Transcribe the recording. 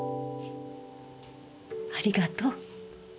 ありがとう。